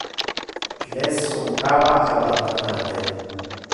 Il es un cava abandonate.